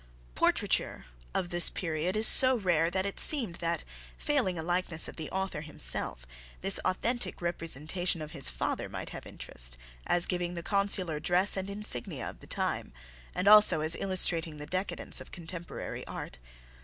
Portraiture of this period is so rare that it seemed that, failing a likeness of the author himself, this authentic representation of his father might have interest, as giving the consular dress and insignia of the time, and also as illustrating the decadence of contemporary art.